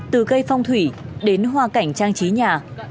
từ cây phong thủy đến hoa cảnh trang trí nhà